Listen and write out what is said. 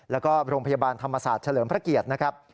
แล้วก็โรงพยาบาลธรรมศาสตร์เฉลิมพระเกียรตินะครับ